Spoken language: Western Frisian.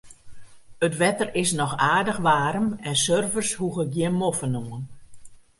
It wetter is noch aardich waarm en surfers hoege gjin moffen oan.